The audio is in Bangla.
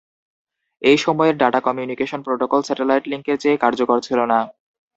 এই সময়ের ডাটা কমিউনিকেশন প্রোটোকল স্যাটেলাইট লিংকের চেয়ে কার্যকর ছিল না।